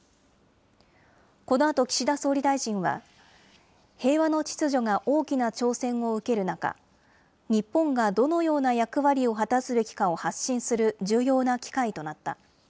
このあと岸田総理大臣は、平和の秩序が大きな挑戦を受ける中、日本がどのような役割を果たすべきかを発信する重要な機会となった。